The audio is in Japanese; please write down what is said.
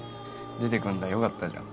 出てくんだよかったじゃん